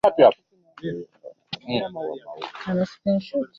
ametoa wito kwa serikali za nchi husika